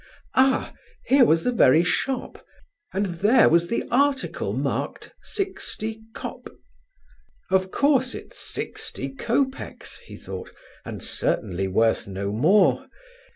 Ah! here was the very shop, and there was the article marked "60 cop." Of course, it's sixty copecks, he thought, and certainly worth no more.